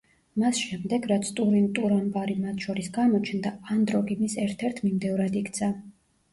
მას შემდეგ, რაც ტურინ ტურამბარი მათ შორის გამოჩნდა, ანდროგი მის ერთ-ერთ მიმდევრად იქცა.